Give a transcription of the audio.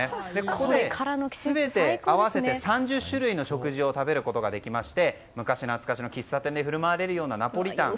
ここで全て合わせて３０種類の食事を食べることができまして昔懐かしの喫茶店でふるまわれるようなナポリタン